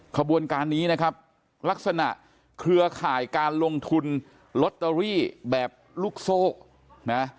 ขบวนการนี้นะครับลักษณะเครือข่ายการลงทุนลอตเตอรี่แบบลูกโซ่นะ